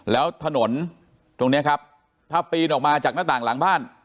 แล้วถนนตรงนี้ครับถ้าปีนออกมาจากหน้าต่างหลังบ้าน